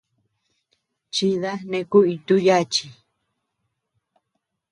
Chida neʼe kuʼuy ntú yachi.